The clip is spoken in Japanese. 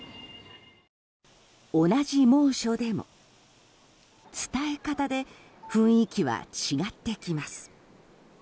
同じ猛暑でも伝え方で雰囲気は違ってきます。